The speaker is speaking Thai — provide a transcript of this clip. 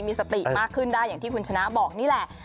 มีสติมากขึ้นได้อย่างที่คุณชนะบอกนี่แหละ